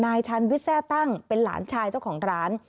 นายชันวิทยาตั้งเป็นหลานชายเจ้าของร้าน